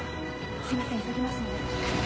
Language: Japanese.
・すいません急ぎますんで・・